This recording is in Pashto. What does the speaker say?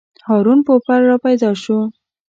هارون پوپل راپیدا شو.